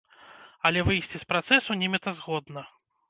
Але выйсці з працэсу немэтазгодна.